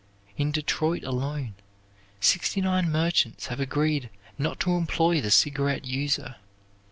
In Detroit alone, sixty nine merchants have agreed not to employ the cigarette user.